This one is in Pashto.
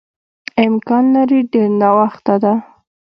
امکان لري ډېر ناوخته ده.